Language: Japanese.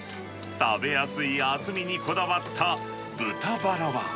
食べやすい厚みにこだわった豚バラは。